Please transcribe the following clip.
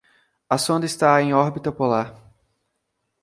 A sonda está em órbita polar